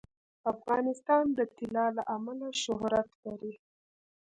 افغانستان د طلا له امله شهرت لري.